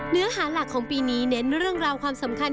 เนื้อหาหลักของปีนี้เน้นเรื่องราวความสำคัญ